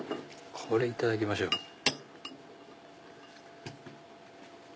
いただきましょう。